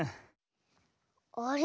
あれ？